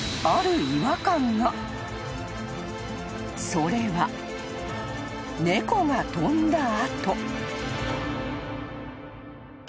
［それは猫が飛んだ後］